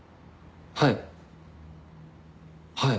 はい。